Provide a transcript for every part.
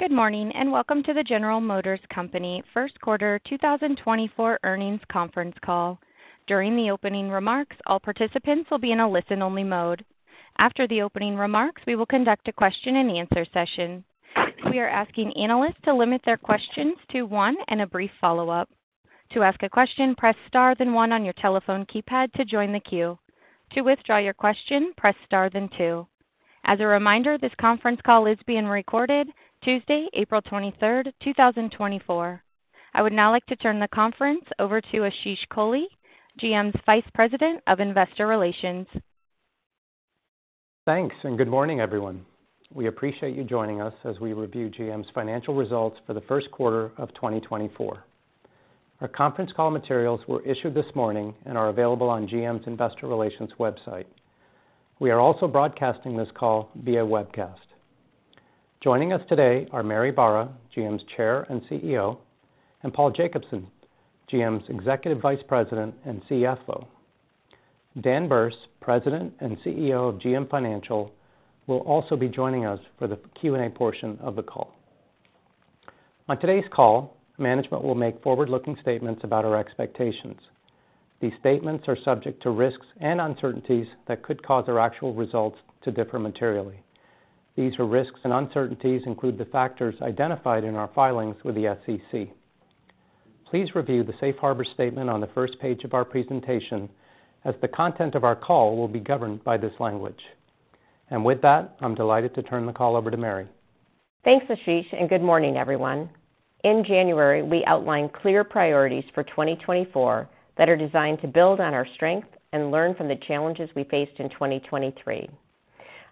Good morning, and welcome to the General Motors Company first quarter 2024 earnings conference call. During the opening remarks, all participants will be in a listen-only mode. After the opening remarks, we will conduct a question-and-answer session. We are asking analysts to limit their questions to one and a brief follow-up. To ask a question, press Star, then one on your telephone keypad to join the queue. To withdraw your question, press Star, then two. As a reminder, this conference call is being recorded Tuesday, April 23rd, 2024. I would now like to turn the conference over to Ashish Kohli, GM's Vice President of Investor Relations. Thanks, and good morning, everyone. We appreciate you joining us as we review GM's financial results for the first quarter of 2024. Our conference call materials were issued this morning and are available on GM's Investor Relations website. We are also broadcasting this call via webcast. Joining us today are Mary Barra, GM's Chair and CEO, and Paul Jacobson, GM's Executive Vice President and CFO. Dan Berce, President and CEO of GM Financial, will also be joining us for the Q&A portion of the call. On today's call, management will make forward-looking statements about our expectations. These statements are subject to risks and uncertainties that could cause our actual results to differ materially. These risks and uncertainties include the factors identified in our filings with the SEC. Please review the safe harbor statement on the first page of our presentation, as the content of our call will be governed by this language. With that, I'm delighted to turn the call over to Mary. Thanks, Ashish, and good morning, everyone. In January, we outlined clear priorities for 2024 that are designed to build on our strength and learn from the challenges we faced in 2023.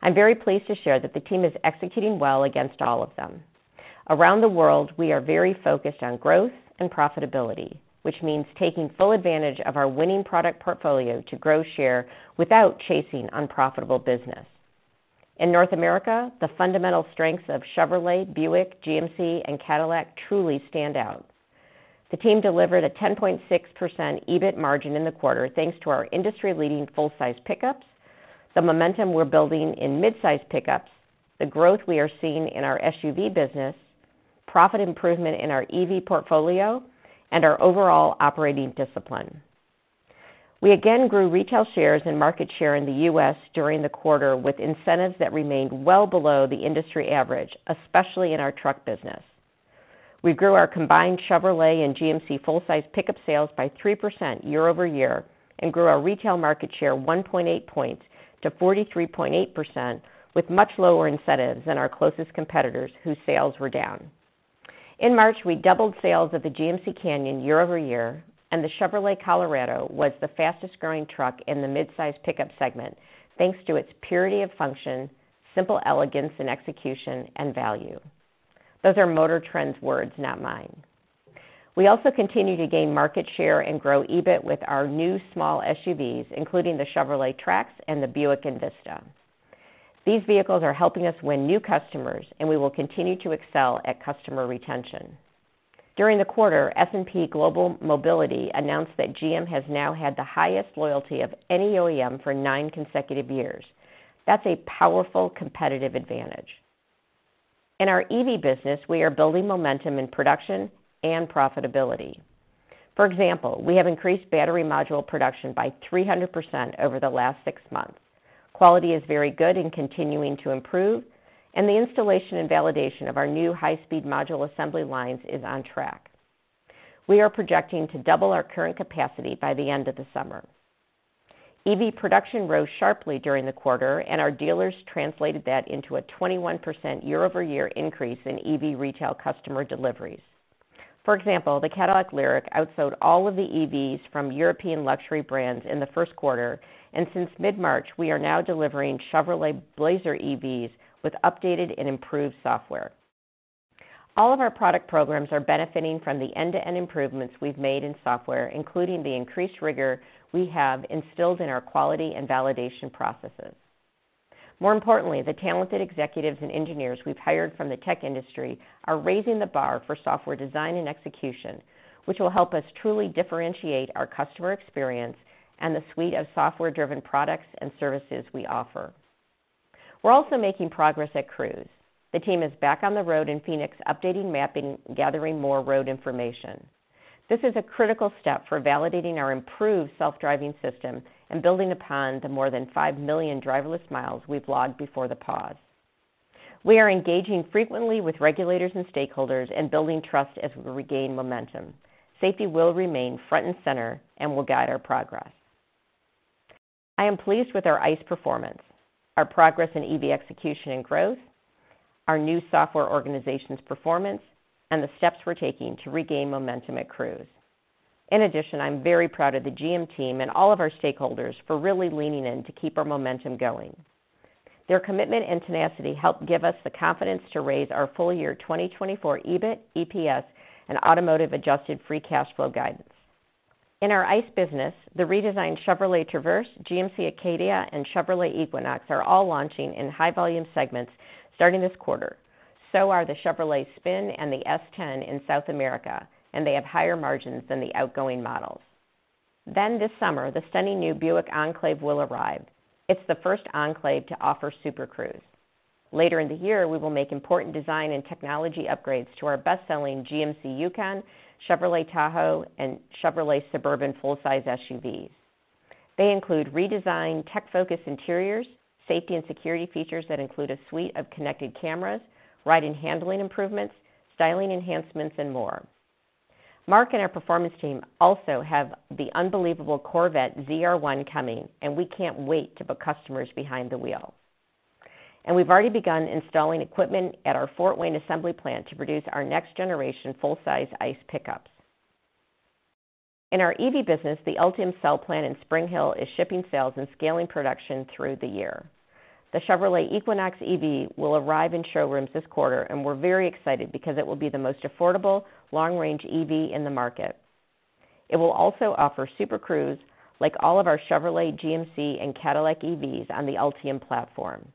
I'm very pleased to share that the team is executing well against all of them. Around the world, we are very focused on growth and profitability, which means taking full advantage of our winning product portfolio to grow share without chasing unprofitable business. In North America, the fundamental strengths of Chevrolet, Buick, GMC, and Cadillac truly stand out. The team delivered a 10.6% EBIT margin in the quarter, thanks to our industry-leading full-size pickups, the momentum we're building in midsize pickups, the growth we are seeing in our SUV business, profit improvement in our EV portfolio, and our overall operating discipline. We again grew retail shares and market share in the U.S. during the quarter, with incentives that remained well below the industry average, especially in our truck business. We grew our combined Chevrolet and GMC full-size pickup sales by 3% year-over-year and grew our retail market share 1.8 points to 43.8%, with much lower incentives than our closest competitors, whose sales were down. In March, we doubled sales of the GMC Canyon year-over-year, and the Chevrolet Colorado was the fastest-growing truck in the midsize pickup segment, thanks to its purity of function, simple elegance and execution, and value. Those are MotorTrend's words, not mine. We also continue to gain market share and grow EBIT with our new small SUVs, including the Chevrolet Trax and the Buick Envista. These vehicles are helping us win new customers, and we will continue to excel at customer retention. During the quarter, S&P Global Mobility announced that GM has now had the highest loyalty of any OEM for 9 consecutive years. That's a powerful competitive advantage. In our EV business, we are building momentum in production and profitability. For example, we have increased battery module production by 300% over the last 6 months. Quality is very good and continuing to improve, and the installation and validation of our new high-speed module assembly lines is on track. We are projecting to double our current capacity by the end of the summer. EV production rose sharply during the quarter, and our dealers translated that into a 21% year-over-year increase in EV retail customer deliveries. For example, the Cadillac Lyriq outsold all of the EVs from European luxury brands in the first quarter, and since mid-March, we are now delivering Chevrolet Blazer EVs with updated and improved software. All of our product programs are benefiting from the end-to-end improvements we've made in software, including the increased rigor we have instilled in our quality and validation processes. More importantly, the talented executives and engineers we've hired from the tech industry are raising the bar for software design and execution, which will help us truly differentiate our customer experience and the suite of software-driven products and services we offer. We're also making progress at Cruise. The team is back on the road in Phoenix, updating, mapping, gathering more road information. This is a critical step for validating our improved self-driving system and building upon the more than 5 million driverless miles we've logged before the pause. We are engaging frequently with regulators and stakeholders and building trust as we regain momentum. Safety will remain front and center and will guide our progress. I am pleased with our ICE performance, our progress in EV execution and growth, our new software organization's performance, and the steps we're taking to regain momentum at Cruise. In addition, I'm very proud of the GM team and all of our stakeholders for really leaning in to keep our momentum going. Their commitment and tenacity helped give us the confidence to raise our full year 2024 EBIT, EPS, and automotive adjusted free cash flow guidance. In our ICE business, the redesigned Chevrolet Traverse, GMC Acadia, and Chevrolet Equinox are all launching in high-volume segments starting this quarter. So are the Chevrolet Spin and the S10 in South America, and they have higher margins than the outgoing models... Then this summer, the stunning new Buick Enclave will arrive. It's the first Enclave to offer Super Cruise. Later in the year, we will make important design and technology upgrades to our best-selling GMC Yukon, Chevrolet Tahoe, and Chevrolet Suburban full-size SUVs. They include redesigned, tech-focused interiors, safety and security features that include a suite of connected cameras, ride and handling improvements, styling enhancements, and more. Mark and our performance team also have the unbelievable Corvette ZR1 coming, and we can't wait to put customers behind the wheel. We've already begun installing equipment at our Fort Wayne Assembly plant to produce our next generation full-size ICE pickups. In our EV business, the Ultium cell plant in Spring Hill is shipping cells and scaling production through the year. The Chevrolet Equinox EV will arrive in showrooms this quarter, and we're very excited because it will be the most affordable long-range EV in the market. It will also offer Super Cruise, like all of our Chevrolet, GMC, and Cadillac EVs on the Ultium platform.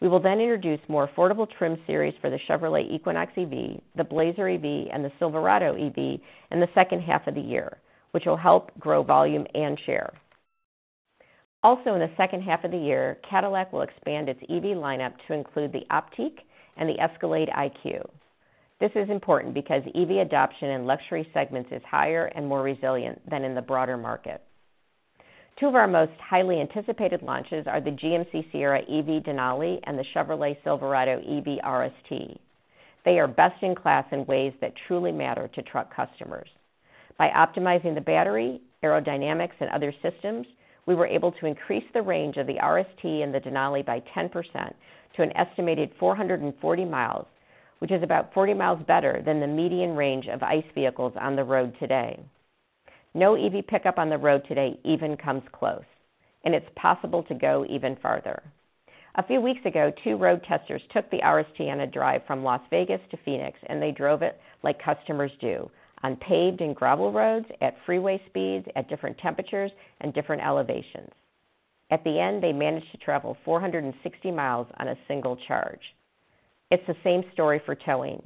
We will then introduce more affordable trim series for the Chevrolet Equinox EV, the Blazer EV, and the Silverado EV in the second half of the year, which will help grow volume and share. Also, in the second half of the year, Cadillac will expand its EV lineup to include the Optiq and the ESCALADE IQ. This is important because EV adoption in luxury segments is higher and more resilient than in the broader market. Two of our most highly anticipated launches are the GMC Sierra EV Denali and the Chevrolet Silverado EV RST. They are best in class in ways that truly matter to truck customers. By optimizing the battery, aerodynamics, and other systems, we were able to increase the range of the RST and the Denali by 10% to an estimated 440 miles, which is about 40 miles better than the median range of ICE vehicles on the road today. No EV pickup on the road today even comes close, and it's possible to go even farther. A few weeks ago, two road testers took the RST on a drive from Las Vegas to Phoenix, and they drove it like customers do, on paved and gravel roads at freeway speeds, at different temperatures and different elevations. At the end, they managed to travel 460 miles on a single charge. It's the same story for towing.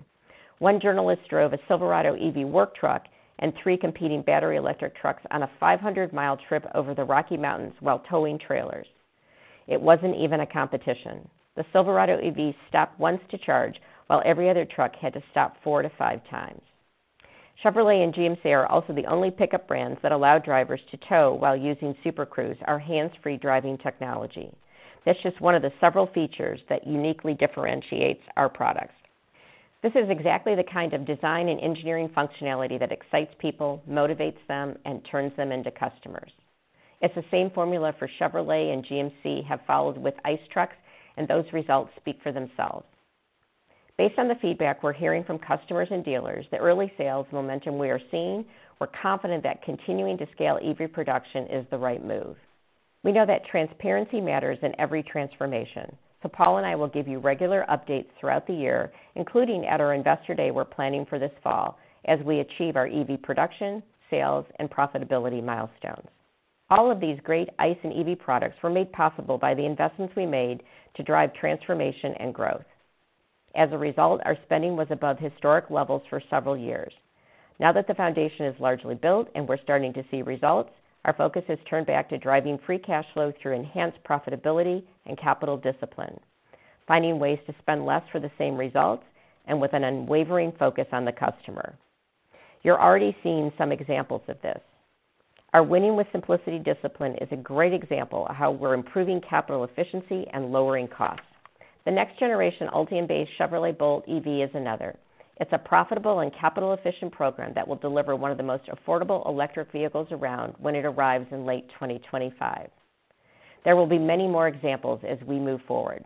One journalist drove a Silverado EV work truck and three competing battery electric trucks on a 500-mile trip over the Rocky Mountains while towing trailers. It wasn't even a competition. The Silverado EV stopped once to charge, while every other truck had to stop 4-5 times. Chevrolet and GMC are also the only pickup brands that allow drivers to tow while using Super Cruise, our hands-free driving technology. That's just one of the several features that uniquely differentiates our products. This is exactly the kind of design and engineering functionality that excites people, motivates them, and turns them into customers. It's the same formula for Chevrolet and GMC have followed with ICE trucks, and those results speak for themselves. Based on the feedback we're hearing from customers and dealers, the early sales momentum we are seeing, we're confident that continuing to scale EV production is the right move. We know that transparency matters in every transformation, so Paul and I will give you regular updates throughout the year, including at our Investor Day we're planning for this fall, as we achieve our EV production, sales, and profitability milestones. All of these great ICE and EV products were made possible by the investments we made to drive transformation and growth. As a result, our spending was above historic levels for several years. Now that the foundation is largely built and we're starting to see results, our focus has turned back to driving free cash flow through enhanced profitability and capital discipline, finding ways to spend less for the same results and with an unwavering focus on the customer. You're already seeing some examples of this. Our Winning with Simplicity discipline is a great example of how we're improving capital efficiency and lowering costs. The next generation Ultium-based Chevrolet Bolt EV is another. It's a profitable and capital-efficient program that will deliver one of the most affordable electric vehicles around when it arrives in late 2025. There will be many more examples as we move forward.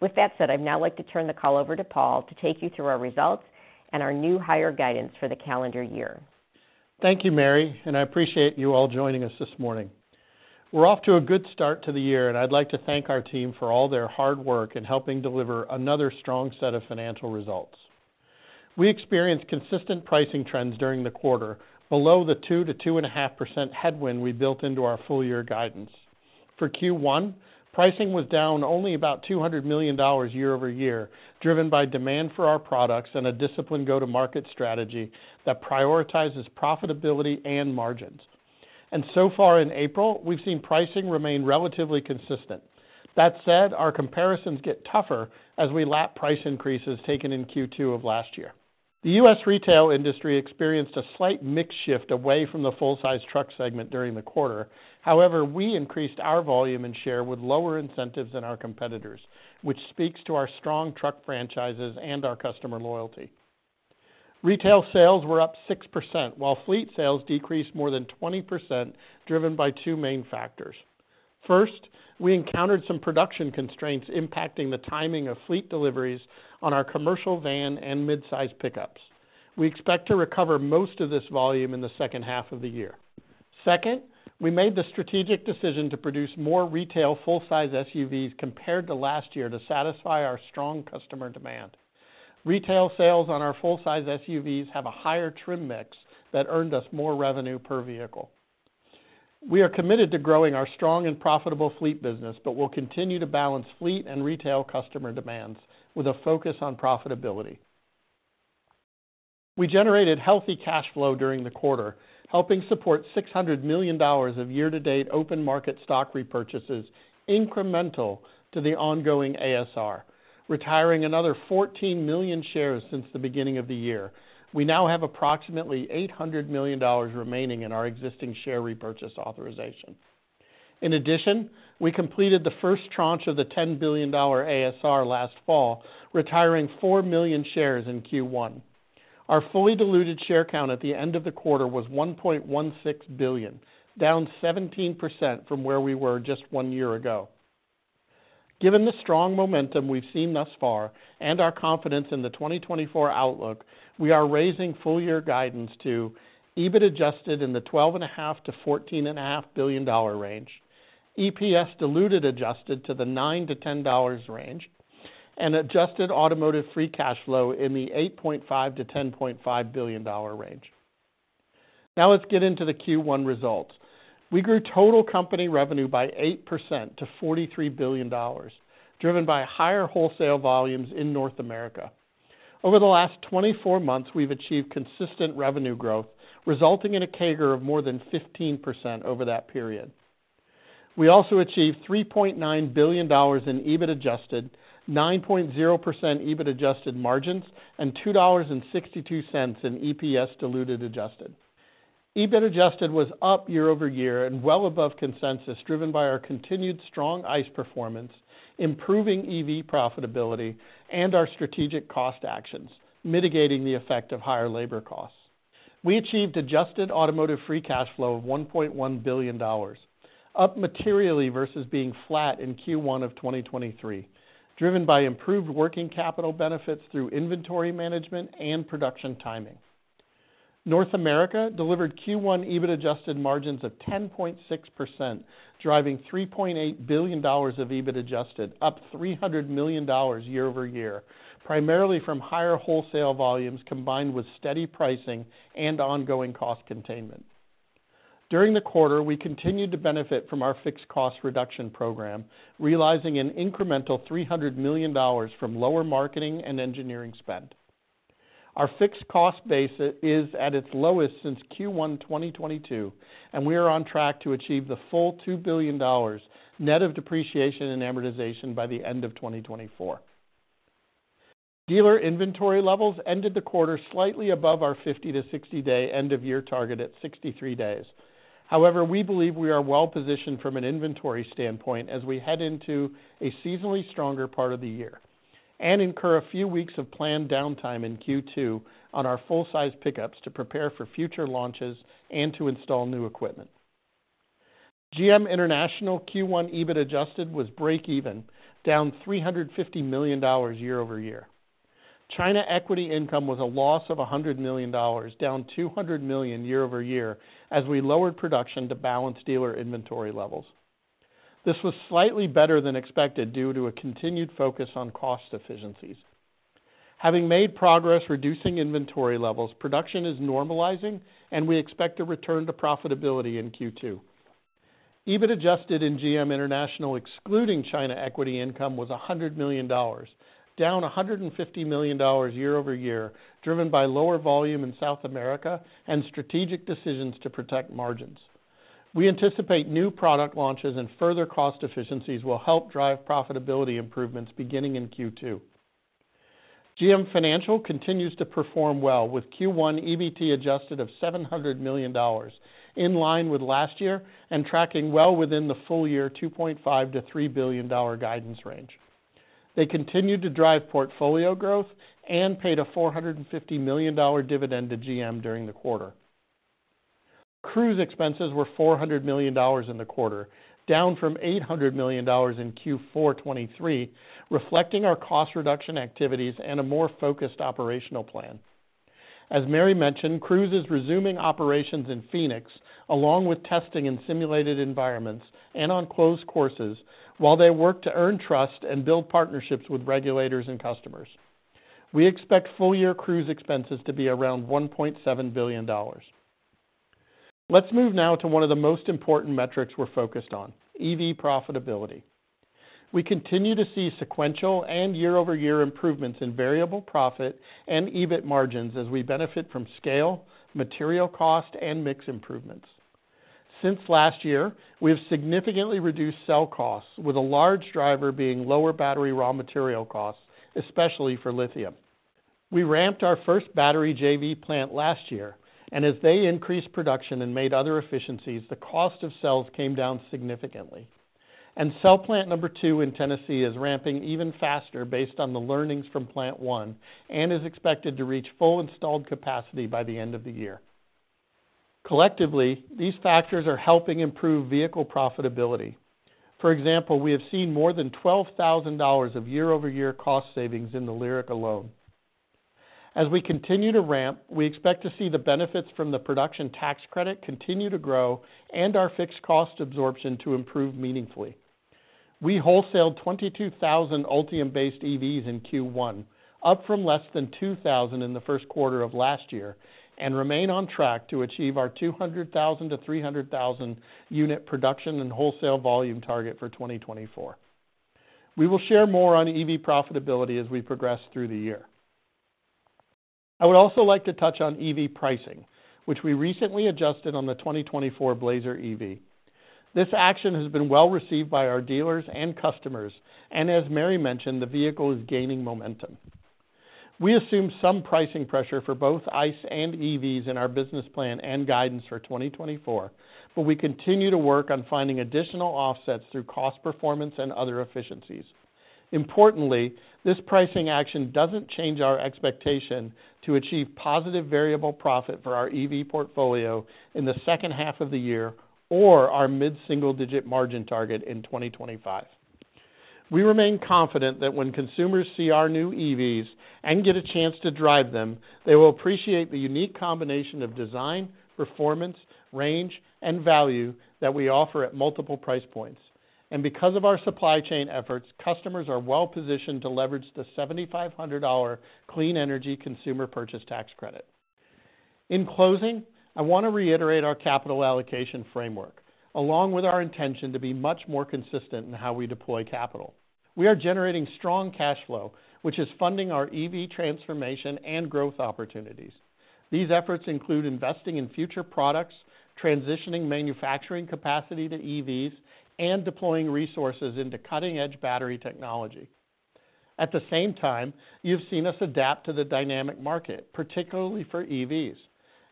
With that said, I'd now like to turn the call over to Paul to take you through our results and our new higher guidance for the calendar year. Thank you, Mary, and I appreciate you all joining us this morning. We're off to a good start to the year, and I'd like to thank our team for all their hard work in helping deliver another strong set of financial results. We experienced consistent pricing trends during the quarter, below the 2%-2.5% headwind we built into our full-year guidance. For Q1, pricing was down only about $200 million year-over-year, driven by demand for our products and a disciplined go-to-market strategy that prioritizes profitability and margins. And so far in April, we've seen pricing remain relatively consistent. That said, our comparisons get tougher as we lap price increases taken in Q2 of last year. The U.S. retail industry experienced a slight mix shift away from the full-size truck segment during the quarter. However, we increased our volume and share with lower incentives than our competitors, which speaks to our strong truck franchises and our customer loyalty. Retail sales were up 6%, while fleet sales decreased more than 20%, driven by two main factors. First, we encountered some production constraints impacting the timing of fleet deliveries on our commercial van and midsize pickups. We expect to recover most of this volume in the second half of the year. Second, we made the strategic decision to produce more retail full-size SUVs compared to last year to satisfy our strong customer demand. Retail sales on our full-size SUVs have a higher trim mix that earned us more revenue per vehicle. We are committed to growing our strong and profitable fleet business, but we'll continue to balance fleet and retail customer demands with a focus on profitability.... We generated healthy cash flow during the quarter, helping support $600 million of year-to-date open market stock repurchases incremental to the ongoing ASR, retiring another 14 million shares since the beginning of the year. We now have approximately $800 million remaining in our existing share repurchase authorization. In addition, we completed the first tranche of the $10 billion ASR last fall, retiring 4 million shares in Q1. Our fully diluted share count at the end of the quarter was 1.16 billion, down 17% from where we were just one year ago. Given the strong momentum we've seen thus far and our confidence in the 2024 outlook, we are raising full year guidance to EBIT adjusted in the $12.5-$14.5 billion range, EPS diluted adjusted to the $9-$10 range, and adjusted automotive free cash flow in the $8.5-$10.5 billion range. Now let's get into the Q1 results. We grew total company revenue by 8% to $43 billion, driven by higher wholesale volumes in North America. Over the last 24 months, we've achieved consistent revenue growth, resulting in a CAGR of more than 15% over that period. We also achieved $3.9 billion in EBIT adjusted, 9.0% EBIT adjusted margins, and $2.62 in EPS diluted adjusted. EBIT adjusted was up year-over-year and well above consensus, driven by our continued strong ICE performance, improving EV profitability, and our strategic cost actions, mitigating the effect of higher labor costs. We achieved adjusted automotive free cash flow of $1.1 billion, up materially versus being flat in Q1 of 2023, driven by improved working capital benefits through inventory management and production timing. North America delivered Q1 EBIT adjusted margins of 10.6%, driving $3.8 billion of EBIT adjusted, up $300 million year-over-year, primarily from higher wholesale volumes combined with steady pricing and ongoing cost containment. During the quarter, we continued to benefit from our fixed cost reduction program, realizing an incremental $300 million from lower marketing and engineering spend. Our fixed cost base is at its lowest since Q1 2022, and we are on track to achieve the full $2 billion net of depreciation and amortization by the end of 2024. Dealer inventory levels ended the quarter slightly above our 50- to 60-day end-of-year target at 63 days. However, we believe we are well-positioned from an inventory standpoint as we head into a seasonally stronger part of the year and incur a few weeks of planned downtime in Q2 on our full-size pickups to prepare for future launches and to install new equipment. GM International Q1 EBIT adjusted was breakeven, down $350 million year-over-year. China equity income was a loss of $100 million, down $200 million year-over-year, as we lowered production to balance dealer inventory levels. This was slightly better than expected due to a continued focus on cost efficiencies. Having made progress reducing inventory levels, production is normalizing, and we expect to return to profitability in Q2. EBIT adjusted in GM International, excluding China equity income, was $100 million, down $150 million year-over-year, driven by lower volume in South America and strategic decisions to protect margins. We anticipate new product launches and further cost efficiencies will help drive profitability improvements beginning in Q2. GM Financial continues to perform well, with Q1 EBT adjusted of $700 million, in line with last year and tracking well within the full-year $2.5 billion-$3 billion guidance range. They continued to drive portfolio growth and paid a $450 million dividend to GM during the quarter. Cruise expenses were $400 million in the quarter, down from $800 million in Q4 2023, reflecting our cost reduction activities and a more focused operational plan. As Mary mentioned, Cruise is resuming operations in Phoenix, along with testing in simulated environments and on closed courses, while they work to earn trust and build partnerships with regulators and customers. We expect full-year Cruise expenses to be around $1.7 billion. Let's move now to one of the most important metrics we're focused on, EV profitability. We continue to see sequential and year-over-year improvements in variable profit and EBIT margins as we benefit from scale, material cost, and mix improvements. Since last year, we have significantly reduced cell costs, with a large driver being lower battery raw material costs, especially for lithium. We ramped our first battery JV plant last year, and as they increased production and made other efficiencies, the cost of cells came down significantly. Cell plant number two in Tennessee is ramping even faster based on the learnings from plant one and is expected to reach full installed capacity by the end of the year. Collectively, these factors are helping improve vehicle profitability. For example, we have seen more than $12,000 of year-over-year cost savings in the Lyriq alone. As we continue to ramp, we expect to see the benefits from the production tax credit continue to grow and our fixed cost absorption to improve meaningfully. We wholesaled 22,000 Ultium-based EVs in Q1, up from less than 2,000 in the first quarter of last year, and remain on track to achieve our 200,000-300,000 unit production and wholesale volume target for 2024. We will share more on EV profitability as we progress through the year. I would also like to touch on EV pricing, which we recently adjusted on the 2024 Blazer EV. This action has been well received by our dealers and customers, and as Mary mentioned, the vehicle is gaining momentum. We assume some pricing pressure for both ICE and EVs in our business plan and guidance for 2024, but we continue to work on finding additional offsets through cost performance and other efficiencies. Importantly, this pricing action doesn't change our expectation to achieve positive variable profit for our EV portfolio in the second half of the year or our mid-single digit margin target in 2025. We remain confident that when consumers see our new EVs and get a chance to drive them, they will appreciate the unique combination of design, performance, range, and value that we offer at multiple price points. And because of our supply chain efforts, customers are well positioned to leverage the $7,500 Clean Energy Consumer Purchase Tax Credit. In closing, I want to reiterate our capital allocation framework, along with our intention to be much more consistent in how we deploy capital. We are generating strong cash flow, which is funding our EV transformation and growth opportunities. These efforts include investing in future products, transitioning manufacturing capacity to EVs, and deploying resources into cutting-edge battery technology. At the same time, you've seen us adapt to the dynamic market, particularly for EVs,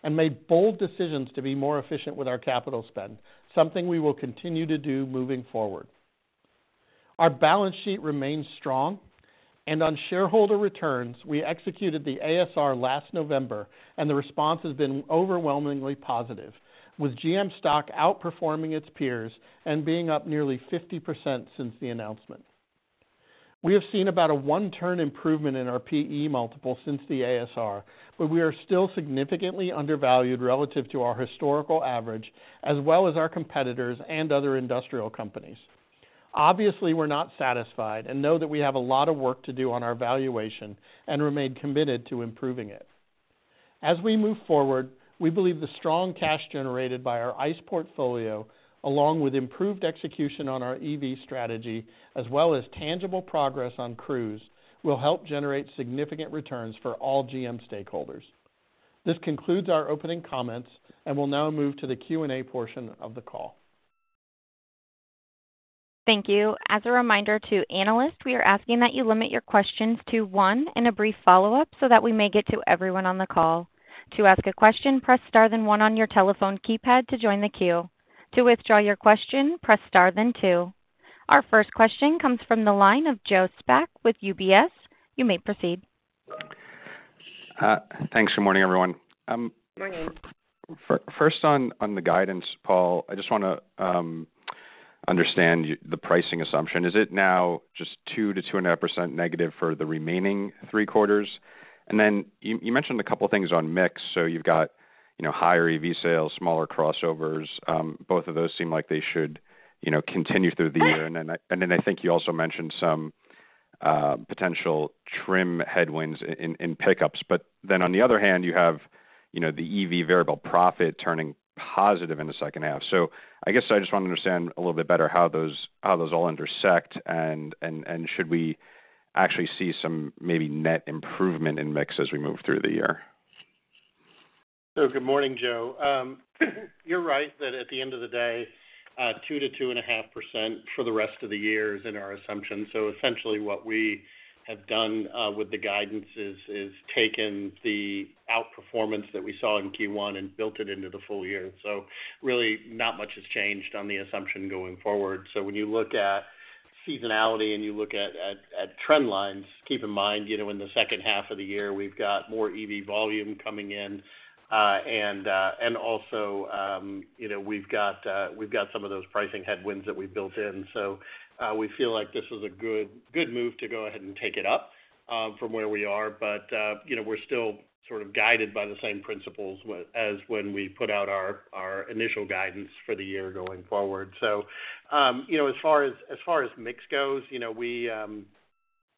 and made bold decisions to be more efficient with our capital spend, something we will continue to do moving forward. Our balance sheet remains strong, and on shareholder returns, we executed the ASR last November, and the response has been overwhelmingly positive, with GM stock outperforming its peers and being up nearly 50% since the announcement. We have seen about a one-turn improvement in our PE multiple since the ASR, but we are still significantly undervalued relative to our historical average, as well as our competitors and other industrial companies. Obviously, we're not satisfied and know that we have a lot of work to do on our valuation and remain committed to improving it. As we move forward, we believe the strong cash generated by our ICE portfolio, along with improved execution on our EV strategy, as well as tangible progress on Cruise, will help generate significant returns for all GM stakeholders. This concludes our opening comments, and we'll now move to the Q&A portion of the call. Thank you. As a reminder to analysts, we are asking that you limit your questions to one and a brief follow-up so that we may get to everyone on the call. To ask a question, press Star, then one on your telephone keypad to join the queue. To withdraw your question, press Star, then two. Our first question comes from the line of Joe Spak with UBS. You may proceed. Thanks. Good morning, everyone. Good morning. First on the guidance, Paul, I just want to understand the pricing assumption. Is it now just 2%-2.5% negative for the remaining three quarters? And then you mentioned a couple of things on mix. So you've got, you know, higher EV sales, smaller crossovers. Both of those seem like they should, you know, continue through the year. And then I think you also mentioned some potential trim headwinds in pickups. But then on the other hand, you have, you know, the EV variable profit turning positive in the second half. So I guess I just want to understand a little bit better how those all intersect, and should we actually see some maybe net improvement in mix as we move through the year? Good morning, Joe. You're right, that at the end of the day, 2%-2.5% for the rest of the year is in our assumption. So essentially, what we have done with the guidance is taken the outperformance that we saw in Q1 and built it into the full year. So really, not much has changed on the assumption going forward. So when you look at seasonality and you look at trend lines, keep in mind, you know, in the second half of the year, we've got more EV volume coming in, and also, you know, we've got some of those pricing headwinds that we built in. So we feel like this is a good, good move to go ahead and take it up from where we are. But you know, we're still sort of guided by the same principles as when we put out our, our initial guidance for the year going forward. So you know, as far as, as far as mix goes, you know, we,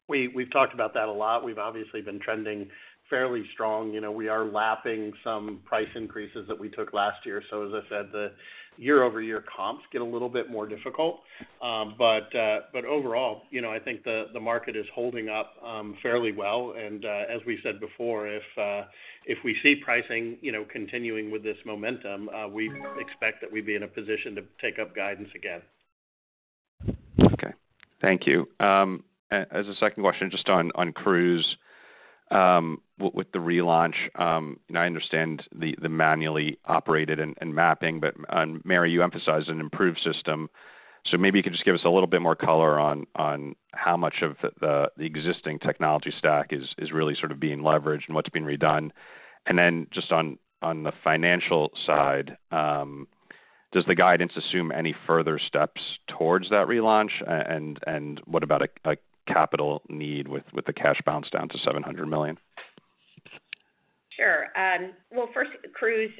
we've talked about that a lot. We've obviously been trending fairly strong. You know, we are lapping some price increases that we took last year. So as I said, the year-over-year comps get a little bit more difficult. But overall, you know, I think the market is holding up fairly well, and as we said before, if we see pricing you know, continuing with this momentum, we expect that we'd be in a position to take up guidance again. Okay. Thank you. As a second question, just on Cruise, with the relaunch, and I understand the manually operated and mapping, but, Mary, you emphasized an improved system. So maybe you could just give us a little bit more color on how much of the existing technology stack is really sort of being leveraged and what's being redone. And then just on the financial side, does the guidance assume any further steps towards that relaunch? And what about a capital need with the cash balance down to $700 million? Sure. Well, first, Cruise,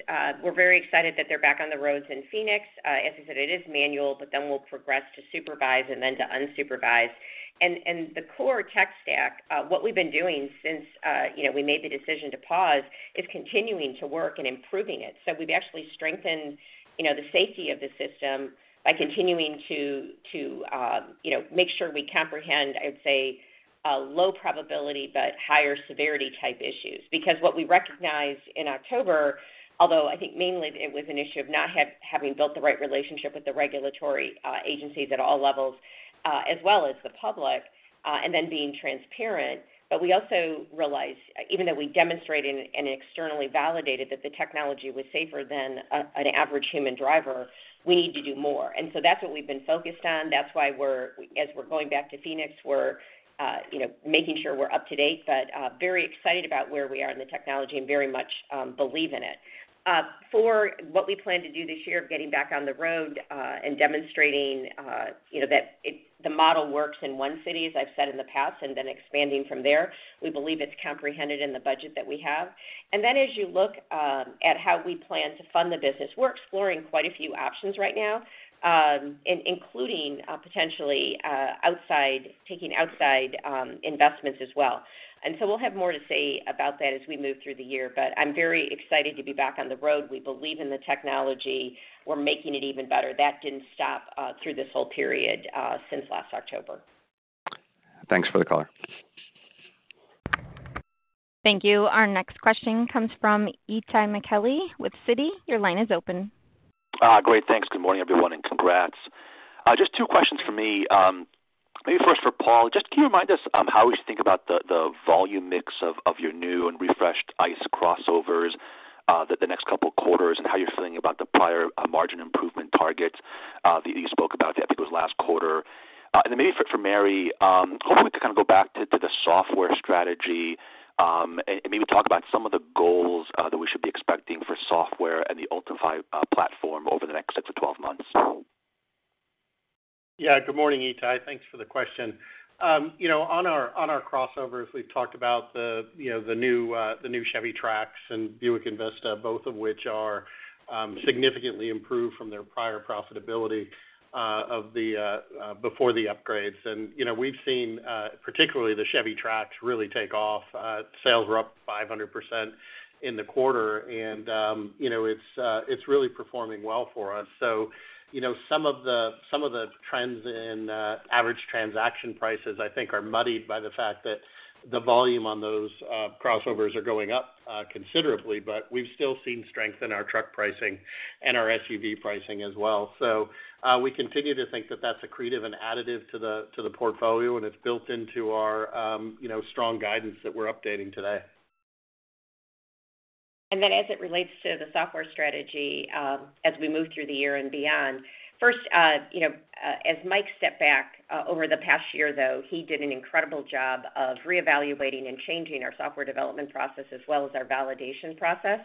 we're very excited that they're back on the roads in Phoenix. As you said, it is manual, but then we'll progress to supervise and then to unsupervised... and the core tech stack, what we've been doing since, you know, we made the decision to pause, is continuing to work and improving it. So we've actually strengthened, you know, the safety of the system by continuing to, you know, make sure we comprehend, I would say, a low probability but higher severity type issues. Because what we recognized in October, although I think mainly it was an issue of not having built the right relationship with the regulatory agencies at all levels, as well as the public, and then being transparent. But we also realized, even though we demonstrated and externally validated that the technology was safer than an average human driver, we need to do more. And so that's what we've been focused on. That's why, as we're going back to Phoenix, we're, you know, making sure we're up to date, but very excited about where we are in the technology and very much believe in it. For what we plan to do this year, getting back on the road and demonstrating, you know, that the model works in one city, as I've said in the past, and then expanding from there. We believe it's comprehended in the budget that we have. Then as you look at how we plan to fund the business, we're exploring quite a few options right now, including potentially outside investments as well. So we'll have more to say about that as we move through the year, but I'm very excited to be back on the road. We believe in the technology. We're making it even better. That didn't stop through this whole period since last October. Thanks for the call. Thank you. Our next question comes from Itay Michaeli with Citi. Your line is open. Great, thanks. Good morning, everyone, and congrats. Just 2 questions for me. Maybe first for Paul, just can you remind us, how we should think about the volume mix of your new and refreshed ICE crossovers, the next couple of quarters, and how you're feeling about the prior margin improvement targets that you spoke about, I think it was last quarter? And then maybe for Mary, hopefully, we can kind of go back to the software strategy, and maybe talk about some of the goals that we should be expecting for software and the Ultifi platform over the next 6-12 months. Yeah, good morning, Itay. Thanks for the question. You know, on our crossovers, we've talked about the new Chevy Trax and Buick Envista, both of which are significantly improved from their prior profitability before the upgrades. You know, we've seen particularly the Chevy Trax really take off. Sales were up 500% in the quarter, and you know, it's really performing well for us. So, you know, some of the trends in average transaction prices, I think, are muddied by the fact that the volume on those crossovers are going up considerably, but we've still seen strength in our truck pricing and our SUV pricing as well. So, we continue to think that that's accretive and additive to the portfolio, and it's built into our, you know, strong guidance that we're updating today. Then as it relates to the software strategy, as we move through the year and beyond, first, you know, as Mike stepped back over the past year, though, he did an incredible job of reevaluating and changing our software development process as well as our validation process,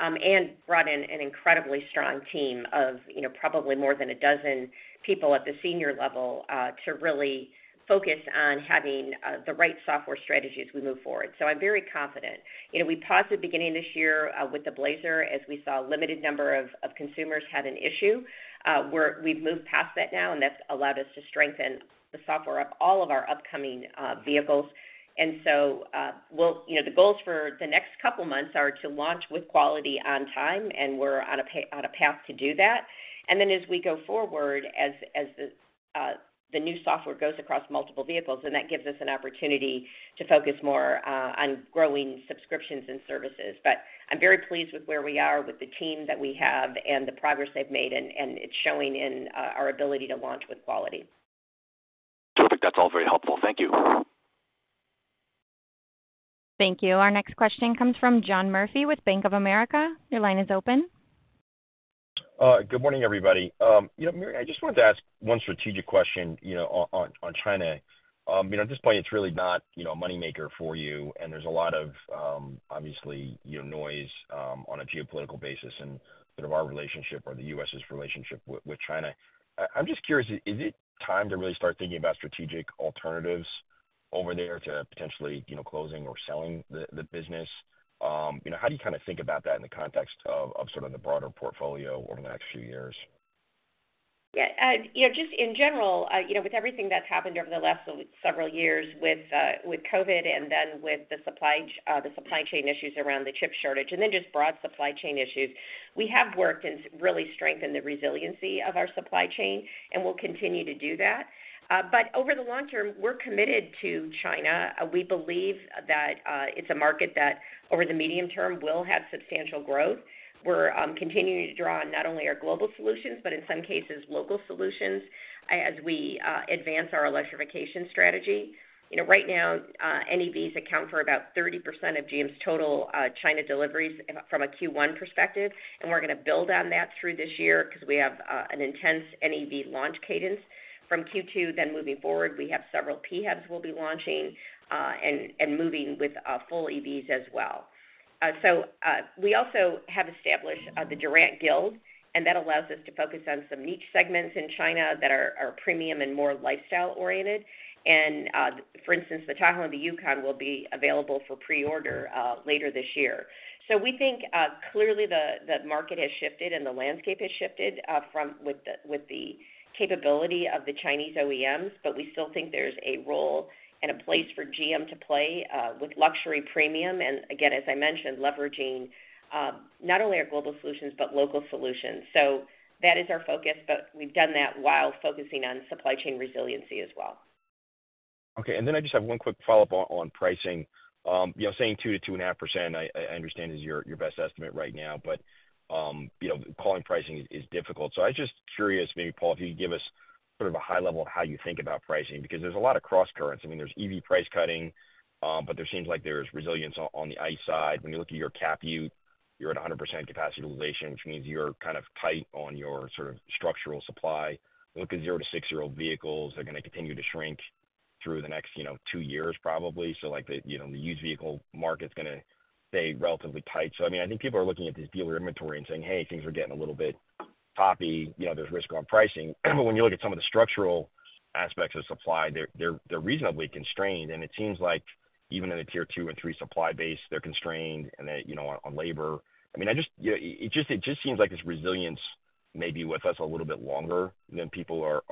and brought in an incredibly strong team of, you know, probably more than a dozen people at the senior level, to really focus on having the right software strategy as we move forward. So I'm very confident. You know, we paused the beginning of this year with the Blazer, as we saw a limited number of consumers have an issue. We've moved past that now, and that's allowed us to strengthen the software of all of our upcoming vehicles. So, we'll... You know, the goals for the next couple of months are to launch with quality on time, and we're on a path to do that. And then as we go forward, as the new software goes across multiple vehicles, then that gives us an opportunity to focus more on growing subscriptions and services. But I'm very pleased with where we are with the team that we have and the progress they've made, and it's showing in our ability to launch with quality. Perfect. That's all very helpful. Thank you. Thank you. Our next question comes from John Murphy with Bank of America. Your line is open. Good morning, everybody. You know, Mary, I just wanted to ask one strategic question, you know, on China. You know, at this point, it's really not, you know, a money maker for you, and there's a lot of, obviously, you know, noise, on a geopolitical basis and sort of our relationship or the U.S.'s relationship with China. I'm just curious, is it time to really start thinking about strategic alternatives over there to potentially, you know, closing or selling the business? You know, how do you kind of think about that in the context of sort of the broader portfolio over the next few years? Yeah, you know, just in general, you know, with everything that's happened over the last several years with, with COVID and then with the supply chain issues around the chip shortage, and then just broad supply chain issues, we have worked and really strengthened the resiliency of our supply chain, and we'll continue to do that. But over the long term, we're committed to China. We believe that, it's a market that, over the medium term, will have substantial growth. We're continuing to draw on not only our global solutions, but in some cases, local solutions, as we advance our electrification strategy. You know, right now, NEVs account for about 30% of GM's total China deliveries from a Q1 perspective, and we're going to build on that through this year because we have an intense NEV launch cadence from Q2. Then moving forward, we have several PHEVs we'll be launching, and moving with full EVs as well. So, we also have established the Durant Guild, and that allows us to focus on some niche segments in China that are premium and more lifestyle-oriented. And, for instance, the Tahoe and the Yukon will be available for pre-order later this year. So we think, clearly the market has shifted and the landscape has shifted, from with the capability of the Chinese OEMs, but we still think there's a role and a place for GM to play, with luxury premium, and again, as I mentioned, leveraging not only our global solutions, but local solutions. So that is our focus, but we've done that while focusing on supply chain resiliency as well.... Okay, and then I just have one quick follow-up on pricing. You know, saying 2%-2.5%, I understand is your best estimate right now, but you know, calling pricing is difficult. So I was just curious, maybe, Paul, if you could give us sort of a high level of how you think about pricing, because there's a lot of crosscurrents. I mean, there's EV price cutting, but there seems like there's resilience on the ICE side. When you look at your cap U, you're at 100% capacity utilization, which means you're kind of tight on your sort of structural supply. Look at 0- to 6-year-old vehicles, they're going to continue to shrink through the next two years, probably. So, like, the used vehicle market's going to stay relatively tight. So I mean, I think people are looking at this dealer inventory and saying, "Hey, things are getting a little bit toppy. You know, there's risk on pricing." But when you look at some of the structural aspects of supply, they're reasonably constrained, and it seems like even in a tier two and three supply base, they're constrained, and they, you know, on labor. I mean, I just. Yeah, it just seems like this resilience may be with us a little bit longer than people are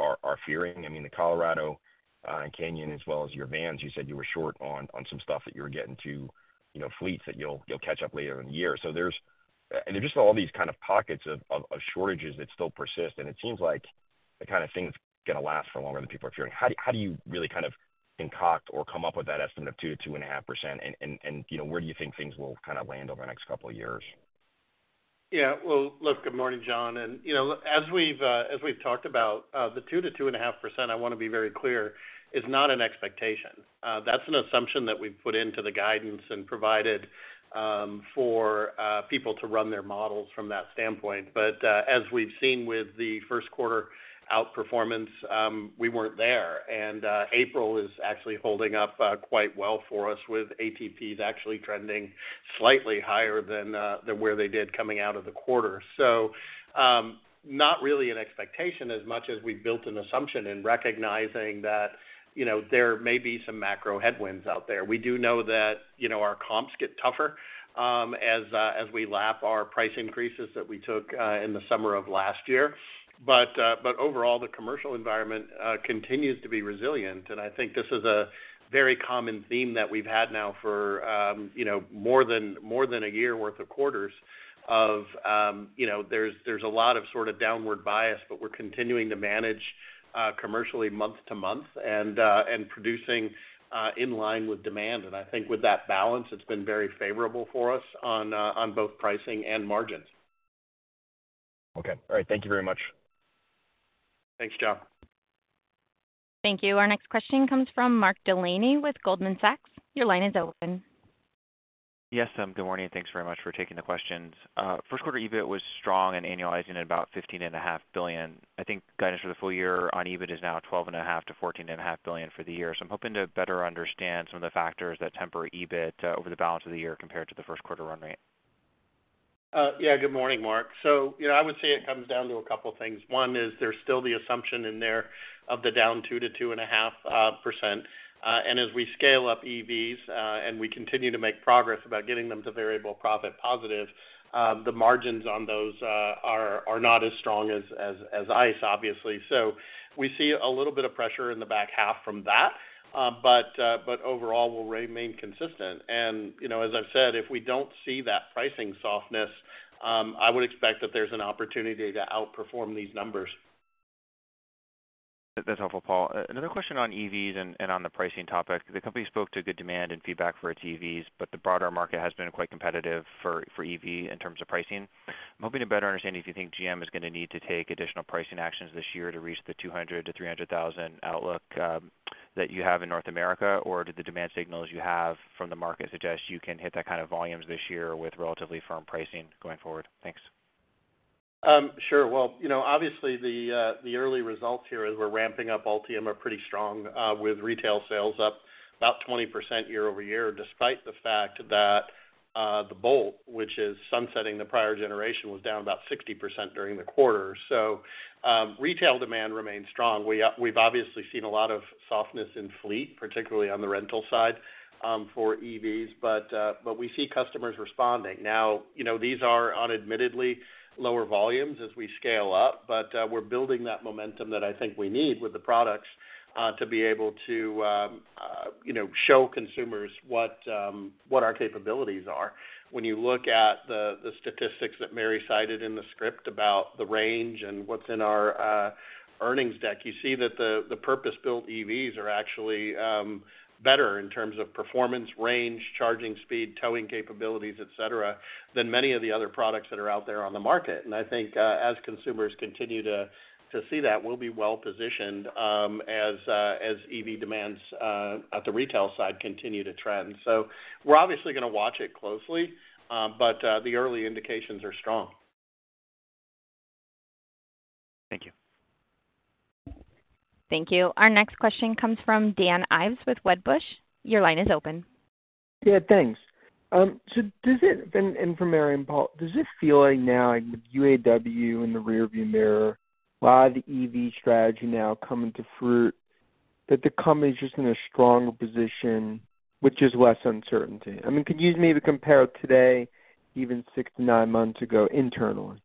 fearing. I mean, the Colorado and Canyon, as well as your vans, you said you were short on some stuff that you were getting to, you know, fleets that you'll catch up later in the year. So there's... There's just all these kind of pockets of shortages that still persist, and it seems like the kind of thing that's going to last for longer than people are fearing. How do you really kind of concoct or come up with that estimate of 2%-2.5%? You know, where do you think things will kind of land over the next couple of years? Yeah. Well, look, good morning, John. You know, as we've talked about, the 2%-2.5%, I want to be very clear, is not an expectation. That's an assumption that we've put into the guidance and provided for people to run their models from that standpoint. But as we've seen with the first quarter outperformance, we weren't there. And April is actually holding up quite well for us, with ATPs actually trending slightly higher than where they did coming out of the quarter. So not really an expectation as much as we built an assumption in recognizing that, you know, there may be some macro headwinds out there. We do know that, you know, our comps get tougher, as we lap our price increases that we took in the summer of last year. But overall, the commercial environment continues to be resilient, and I think this is a very common theme that we've had now for, you know, more than a year worth of quarters of, you know, there's a lot of sort of downward bias, but we're continuing to manage commercially month-to-month and producing in line with demand. And I think with that balance, it's been very favorable for us on both pricing and margins. Okay. All right. Thank you very much. Thanks, John. Thank you. Our next question comes from Mark Delaney with Goldman Sachs. Your line is open. Yes, good morning, and thanks very much for taking the questions. First quarter EBIT was strong and annualizing at about $15.5 billion. I think guidance for the full year on EBIT is now $12.5 billion-$14.5 billion for the year. So I'm hoping to better understand some of the factors that temper EBIT over the balance of the year compared to the first quarter run rate. Yeah, good morning, Mark. So, you know, I would say it comes down to a couple things. One is there's still the assumption in there of the down 2%-2.5%. And as we scale up EVs and we continue to make progress about getting them to variable profit positive, the margins on those are not as strong as ICE, obviously. So we see a little bit of pressure in the back half from that, but overall, we'll remain consistent. And, you know, as I've said, if we don't see that pricing softness, I would expect that there's an opportunity to outperform these numbers. That's helpful, Paul. Another question on EVs and, and on the pricing topic. The company spoke to good demand and feedback for its EVs, but the broader market has been quite competitive for, for EV in terms of pricing. I'm hoping to better understand if you think GM is going to need to take additional pricing actions this year to reach the 200,000-300,000 outlook that you have in North America, or do the demand signals you have from the market suggest you can hit that kind of volumes this year with relatively firm pricing going forward? Thanks. Sure. Well, you know, obviously, the early results here, as we're ramping up Ultium, are pretty strong, with retail sales up about 20% year-over-year, despite the fact that the Bolt, which is sunsetting the prior generation, was down about 60% during the quarter. So, retail demand remains strong. We've obviously seen a lot of softness in fleet, particularly on the rental side, for EVs, but we see customers responding. Now, you know, these are on admittedly lower volumes as we scale up, but we're building that momentum that I think we need with the products, to be able to, you know, show consumers what our capabilities are. When you look at the statistics that Mary cited in the script about the range and what's in our earnings deck, you see that the purpose-built EVs are actually better in terms of performance, range, charging speed, towing capabilities, et cetera, than many of the other products that are out there on the market. And I think, as consumers continue to see that, we'll be well positioned, as EV demands at the retail side continue to trend. So we're obviously going to watch it closely, but the early indications are strong. Thank you. Thank you. Our next question comes from Dan Ives with Wedbush. Your line is open. Yeah, thanks. So does it, and for Mary and Paul, does it feel like now, with UAW in the rearview mirror, a lot of the EV strategy now coming to fruit, that the company's just in a stronger position, which is less uncertainty? I mean, could you maybe compare today, even 6-9 months ago, internally?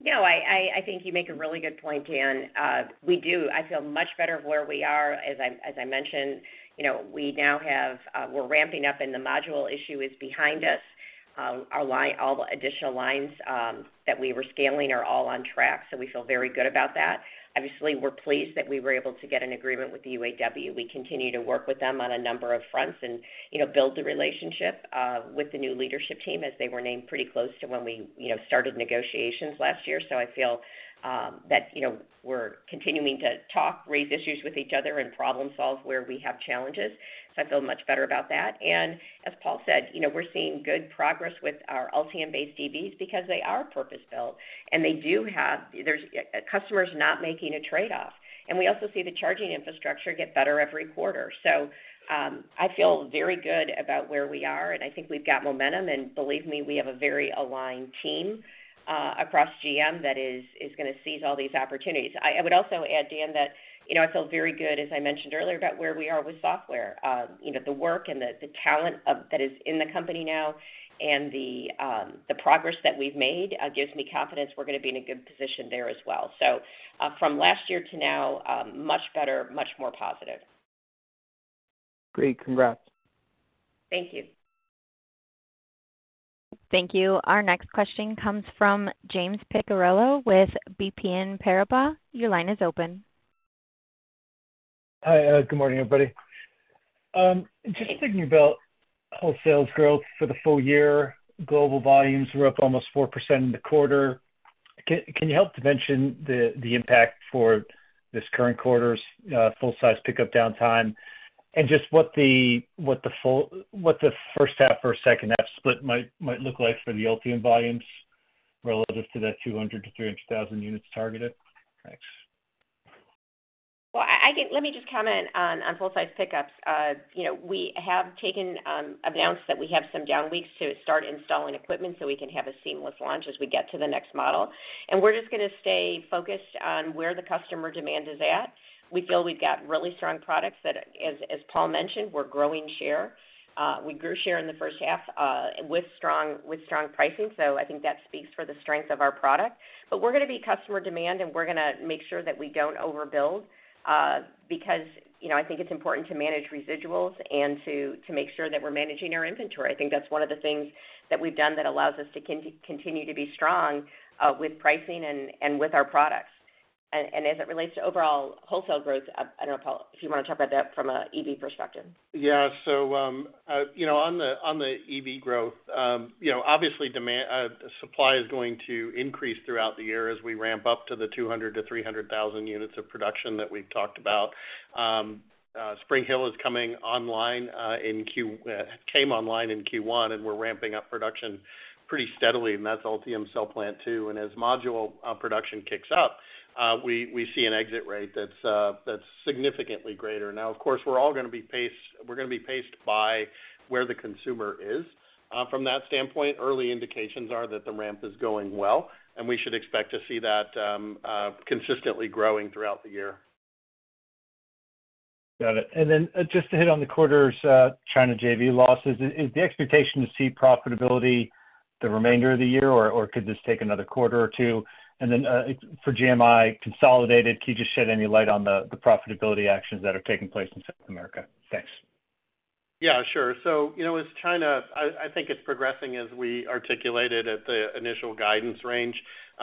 No, I think you make a really good point, Dan. We do. I feel much better of where we are. As I mentioned, you know, we now have, we're ramping up and the module issue is behind us. Our line, all the additional lines, that we were scaling are all on track, so we feel very good about that. Obviously, we're pleased that we were able to get an agreement with the UAW. We continue to work with them on a number of fronts and, you know, build the relationship, with the new leadership team as they were named pretty close to when we, you know, started negotiations last year. So I feel, that, you know, we're continuing to talk, raise issues with each other, and problem solve where we have challenges. So I feel much better about that. As Paul said, you know, we're seeing good progress with our Ultium-based EVs because they are purpose-built, and they do have customers not making a trade-off. We also see the charging infrastructure get better every quarter. So I feel very good about where we are, and I think we've got momentum. Believe me, we have a very aligned team across GM that is gonna seize all these opportunities. I would also add, Dan, that you know, I feel very good, as I mentioned earlier, about where we are with software. You know, the work and the talent that is in the company now and the progress that we've made gives me confidence we're gonna be in a good position there as well. So from last year to now, much better, much more positive. Great. Congrats. Thank you. Thank you. Our next question comes from James Picariello with BNP Paribas. Your line is open. Hi, good morning, everybody. Just thinking about wholesales growth for the full year, global volumes were up almost 4% in the quarter. Can you help to mention the impact for this current quarter's full-size pickup downtime? And just what the first half or second half split might look like for the Ultium volumes relative to that 200-300,000 units targeted? Thanks. Let me just comment on full-size pickups. You know, we have announced that we have some down weeks to start installing equipment, so we can have a seamless launch as we get to the next model. And we're just gonna stay focused on where the customer demand is at. We feel we've got really strong products that, as Paul mentioned, we're growing share. We grew share in the first half with strong pricing, so I think that speaks for the strength of our product. But we're gonna be customer demand, and we're gonna make sure that we don't overbuild, because you know, I think it's important to manage residuals and to make sure that we're managing our inventory. I think that's one of the things that we've done that allows us to continue to be strong with pricing and with our products. And as it relates to overall wholesale growth, I don't know, Paul, if you wanna talk about that from a EV perspective. Yeah. So, you know, on the EV growth, you know, obviously, demand, supply is going to increase throughout the year as we ramp up to the 200,000-300,000 units of production that we've talked about. Spring Hill came online in Q1, and we're ramping up production pretty steadily, and that's Ultium Cell Plant 2. And as module production kicks up, we see an exit rate that's significantly greater. Now, of course, we're all gonna be paced by where the consumer is. From that standpoint, early indications are that the ramp is going well, and we should expect to see that consistently growing throughout the year. Got it. And then just to hit on the quarter's China JV losses, is the expectation to see profitability the remainder of the year, or could this take another quarter or two? And then, for GMI consolidated, can you just shed any light on the profitability actions that are taking place in South America? Thanks. Yeah, sure. So, you know, with China, I think it's progressing as we articulated at the initial guidance range.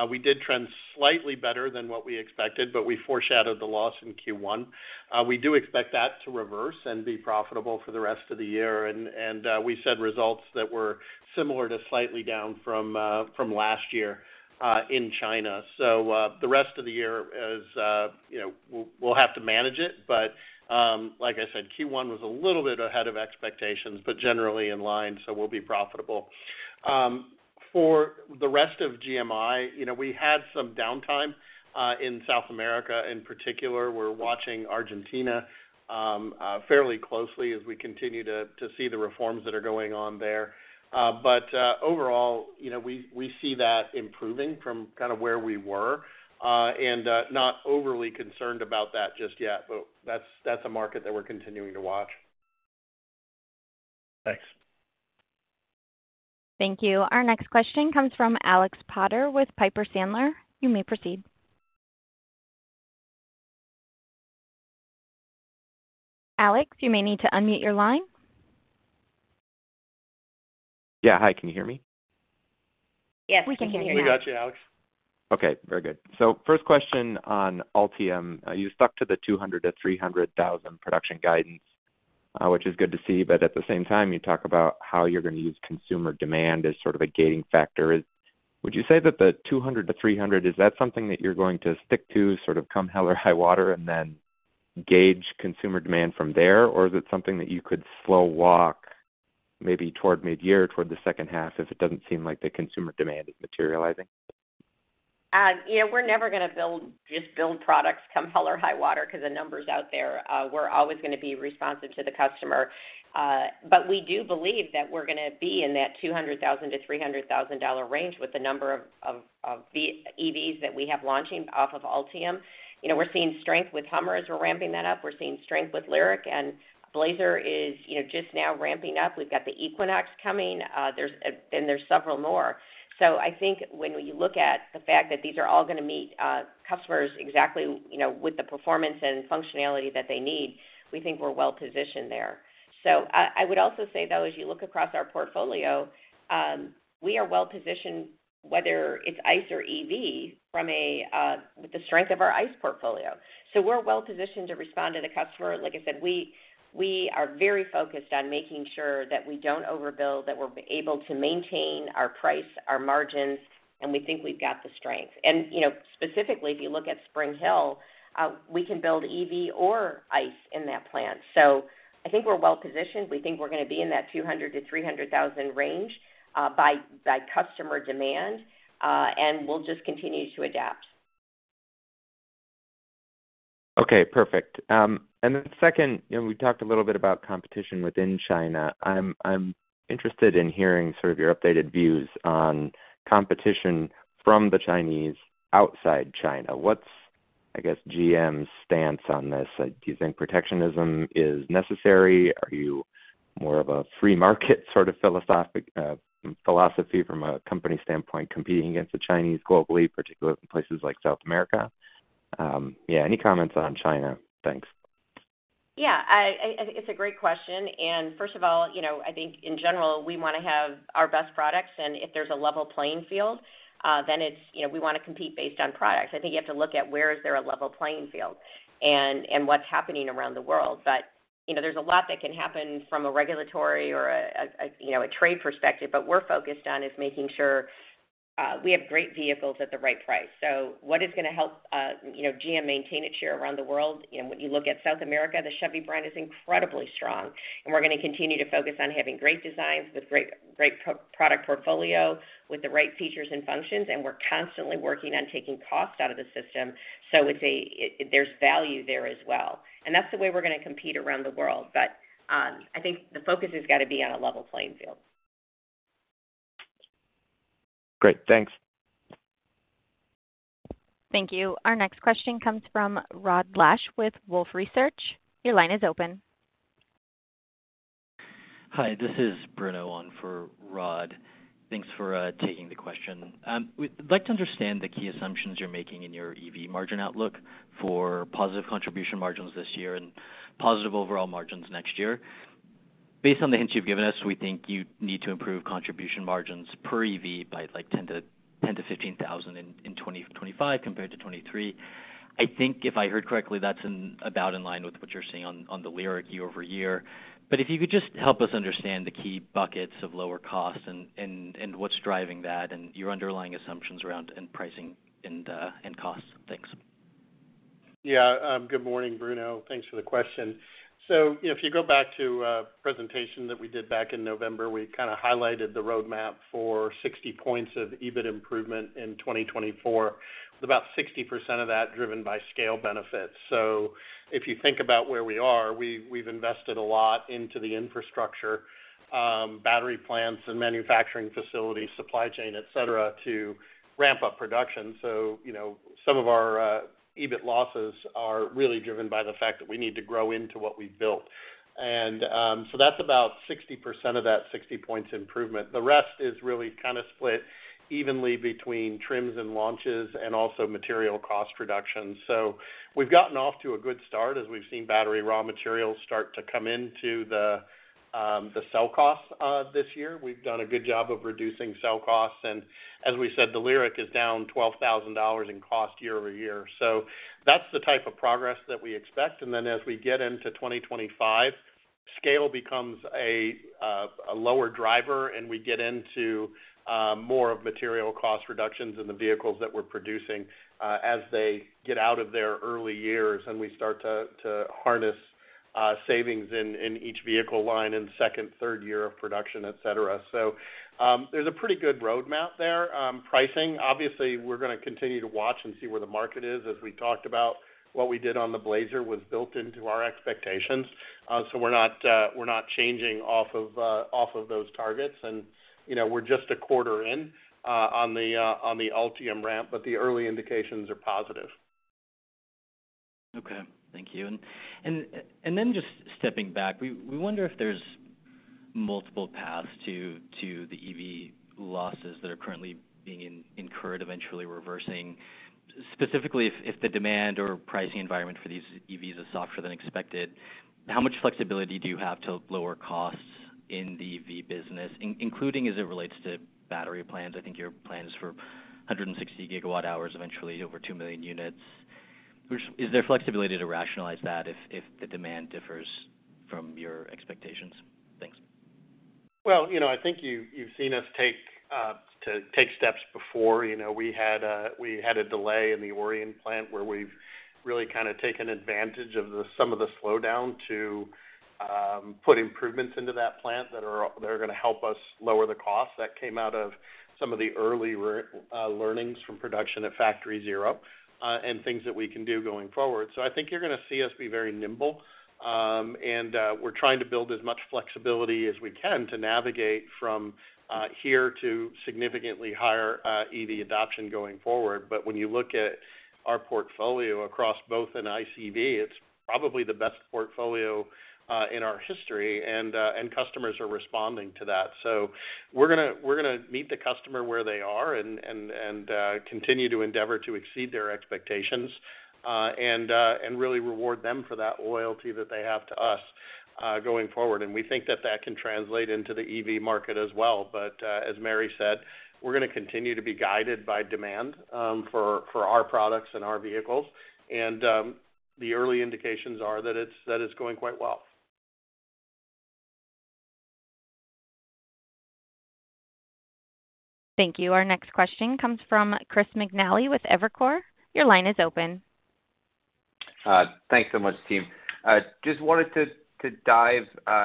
We did trend slightly better than what we expected, but we foreshadowed the loss in Q1. We do expect that to reverse and be profitable for the rest of the year, and we said results that were similar to slightly down from last year in China. So, the rest of the year is, you know, we'll have to manage it. But, like I said, Q1 was a little bit ahead of expectations, but generally in line, so we'll be profitable. For the rest of GMI, you know, we had some downtime in South America. In particular, we're watching Argentina fairly closely as we continue to see the reforms that are going on there. But overall, you know, we see that improving from kind of where we were, and not overly concerned about that just yet. But that's a market that we're continuing to watch. Thanks. Thank you. Our next question comes from Alex Potter with Piper Sandler. You may proceed. Alex, you may need to unmute your line. Yeah. Hi, can you hear me? Yes, we can hear you now. We got you, Alex. Okay, very good. So first question on Ultium. You stuck to the 200-300 thousand production guidance, which is good to see, but at the same time, you talk about how you're gonna use consumer demand as sort of a gating factor. Would you say that the 200-300, is that something that you're going to stick to, sort of come hell or high water, and then gauge consumer demand from there? Or is it something that you could slow walk maybe toward mid-year, toward the second half, if it doesn't seem like the consumer demand is materializing?... Yeah, we're never gonna build, just build products, come hell or high water, 'cause the numbers are out there. We're always gonna be responsive to the customer. But we do believe that we're gonna be in that 200,000-300,000 range with the number of, of, of the EVs that we have launching off of Ultium. You know, we're seeing strength with Hummer as we're ramping that up. We're seeing strength with Lyriq, and Blazer is, you know, just now ramping up. We've got the Equinox coming, there's, and there's several more. So I think when you look at the fact that these are all gonna meet, customers exactly, you know, with the performance and functionality that they need, we think we're well positioned there. So I would also say, though, as you look across our portfolio, we are well positioned, whether it's ICE or EV, with the strength of our ICE portfolio. So we're well positioned to respond to the customer. Like I said, we are very focused on making sure that we don't overbuild, that we're able to maintain our price, our margins, and we think we've got the strength. And, you know, specifically, if you look at Spring Hill, we can build EV or ICE in that plant. So I think we're well positioned. We think we're gonna be in that 200-300,000 range by customer demand, and we'll just continue to adapt. Okay, perfect. And then second, you know, we talked a little bit about competition within China. I'm interested in hearing sort of your updated views on competition from the Chinese outside China. What's, I guess, GM's stance on this? Like, do you think protectionism is necessary? Are you more of a free market sort of philosophic philosophy from a company standpoint, competing against the Chinese globally, particularly in places like South America? Yeah, any comments on China? Thanks. Yeah, it's a great question, and first of all, you know, I think in general, we want to have our best products, and if there's a level playing field, then it's, you know, we want to compete based on products. I think you have to look at where is there a level playing field and what's happening around the world. But, you know, there's a lot that can happen from a regulatory or a trade perspective, but we're focused on is making sure we have great vehicles at the right price. So what is gonna help, you know, GM maintain its share around the world? You know, when you look at South America, the Chevy brand is incredibly strong, and we're gonna continue to focus on having great designs with great, great product portfolio, with the right features and functions, and we're constantly working on taking cost out of the system. So, there's value there as well, and that's the way we're gonna compete around the world. But, I think the focus has got to be on a level playing field. Great. Thanks. Thank you. Our next question comes from Rod Lache with Wolfe Research. Your line is open. Hi, this is Bruno on for Rod. Thanks for taking the question. We'd like to understand the key assumptions you're making in your EV margin outlook for positive contribution margins this year and positive overall margins next year. Based on the hints you've given us, we think you need to improve contribution margins per EV by, like, $10,000-$15,000 in 2025, compared to 2023. I think if I heard correctly, that's about in line with what you're seeing on the Lyriq year-over-year. But if you could just help us understand the key buckets of lower costs and what's driving that, and your underlying assumptions around net pricing and costs. Thanks. Yeah, good morning, Bruno. Thanks for the question. So if you go back to a presentation that we did back in November, we kind of highlighted the roadmap for 60 points of EBIT improvement in 2024, with about 60% of that driven by scale benefits. So if you think about where we are, we, we've invested a lot into the infrastructure, battery plants and manufacturing facilities, supply chain, et cetera, to ramp up production. So, you know, some of our, EBIT losses are really driven by the fact that we need to grow into what we've built. And, so that's about 60% of that 60 points improvement. The rest is really kind of split evenly between trims and launches and also material cost reductions. So we've gotten off to a good start as we've seen battery raw materials start to come into the cell costs this year. We've done a good job of reducing cell costs, and as we said, the Lyriq is down $12,000 in cost year-over-year. So that's the type of progress that we expect. And then as we get into 2025, scale becomes a lower driver, and we get into more of material cost reductions in the vehicles that we're producing as they get out of their early years, and we start to harness savings in each vehicle line in second, third year of production, et cetera. So there's a pretty good roadmap there. Pricing, obviously, we're gonna continue to watch and see where the market is. As we talked about, what we did on the Blazer was built into our expectations. So we're not, we're not changing off of, off of those targets. And, you know, we're just a quarter in, on the, on the Ultium ramp, but the early indications are positive. Okay. Thank you. Then just stepping back, we wonder if there's multiple paths to the EV losses that are currently being incurred, eventually reversing. Specifically, if the demand or pricing environment for these EVs is softer than expected, how much flexibility do you have to lower costs in the EV business, including as it relates to battery plans? I think your plan is for 160 GWh, eventually over 2 million units. Which is there flexibility to rationalize that if the demand differs from your expectations? Thanks. ...Well, you know, I think you've seen us take steps before. You know, we had a delay in the Orion plant where we've really kind of taken advantage of some of the slowdown to put improvements into that plant that are gonna help us lower the cost. That came out of some of the early learnings from production at Factory Zero, and things that we can do going forward. So I think you're gonna see us be very nimble, and we're trying to build as much flexibility as we can to navigate from here to significantly higher EV adoption going forward. But when you look at our portfolio across both ICE and EV, it's probably the best portfolio in our history, and customers are responding to that. So we're gonna meet the customer where they are and continue to endeavor to exceed their expectations and really reward them for that loyalty that they have to us, going forward. And we think that that can translate into the EV market as well. But as Mary said, we're gonna continue to be guided by demand for our products and our vehicles. And the early indications are that it's going quite well. Thank you. Our next question comes from Chris McNally with Evercore. Your line is open. Thanks so much, team. Just wanted to dive